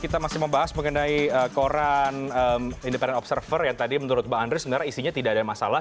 kita masih membahas mengenai koran independent observer yang tadi menurut bang andre sebenarnya isinya tidak ada masalah